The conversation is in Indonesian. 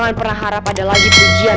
iya harus pasti